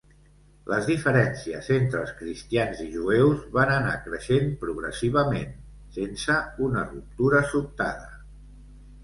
Les diferències entre els cristians i jueus van anar creixent progressivament, sense una ruptura sobtada.